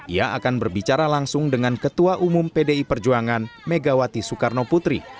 ia akan berbicara langsung dengan ketua umum pdi perjuangan megawati soekarno putri